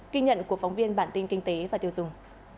kinh nhận của phóng viên bản tin kinh tế và tiêu dùng